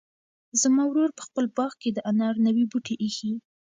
زما ورور په خپل باغ کې د انار نوي بوټي ایښي.